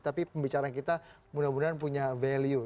tapi pembicaraan kita mudah mudahan punya value